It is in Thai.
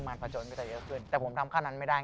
ผจญก็จะเยอะขึ้นแต่ผมทำขั้นนั้นไม่ได้